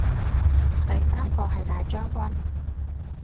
第三個係大將軍